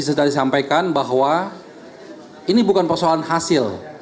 apa yang tadi disampaikan bahwa ini bukan persoalan hasil